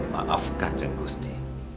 maafkan jeng gusti